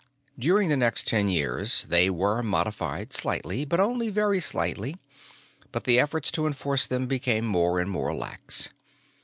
During the next ten years, they were modified slightly, but only very slightly; but the efforts to enforce them became more and more lax.